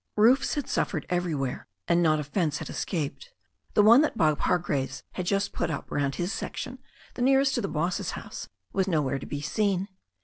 Roofs had suffered everywhere, and not a fence had es caped. The one that Bob Hargraves had just put up round his section, the nearest to the boss's house, was nowhere to be seen.